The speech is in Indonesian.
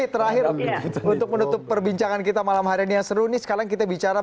terakhir untuk menutup perbincangan kita malam hari ini yang seru nih sekarang kita bicara